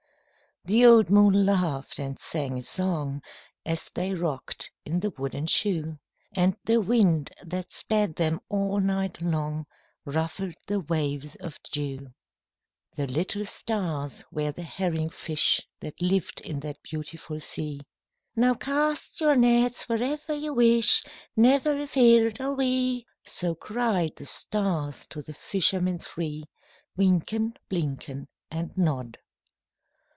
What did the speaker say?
The old moon laughed and sang a song, As they rocked in the wooden shoe; And the wind that sped them all night long Ruffled the waves of dew; The little stars were the herring fish That lived in the beautiful sea. "Now cast your nets wherever you wish,— Never afeard are we!" So cried the stars to the fishermen three, Wynken, Blynken, And Nod.